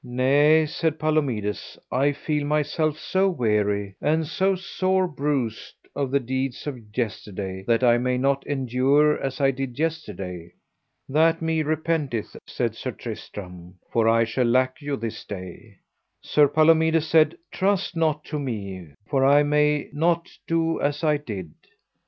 Nay, said Palomides, I feel myself so weary, and so sore bruised of the deeds of yesterday, that I may not endure as I did yesterday. That me repenteth, said Sir Tristram, for I shall lack you this day. Sir Palomides said: Trust not to me, for I may not do as I did.